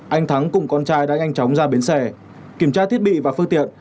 anh thắng cùng con trai đã nhanh chóng ra bến xe kiểm tra thiết bị và phương tiện